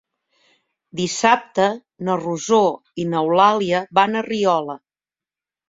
Dissabte na Rosó i n'Eulàlia van a Riola.